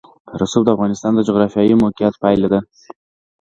رسوب د افغانستان د جغرافیایي موقیعت پایله ده.